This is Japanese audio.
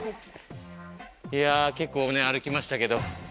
いや、結構ね歩きましたけど。